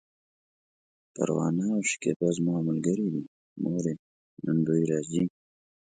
پروانه او شکيبه زما ملګرې دي، مورې! نن دوی راځي!